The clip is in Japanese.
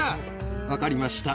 分かりました。